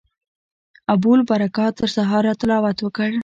ابوالبرکات تر سهاره تلاوت وکړ.